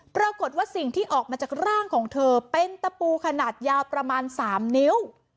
ปรากฏว่าสิ่งที่ออกมาจากร่างของเธอเป็นตะปูขนาดยาวประมาณ๓นิ้ว